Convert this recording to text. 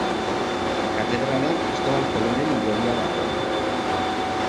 Katedralean Kristobal Kolonen hilobia dago.